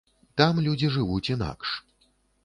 Там людзі жывуць інакш.